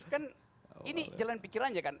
kan ini jalan pikirannya kan